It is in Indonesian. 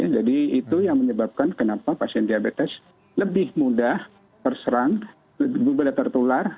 jadi itu yang menyebabkan kenapa pasien diabetes lebih mudah terserang lebih mudah tertular